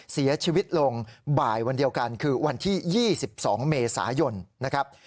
เสียชีวิตลงบ่ายวันเดียวกันคือวันที่๒๒เมษายนนะครับ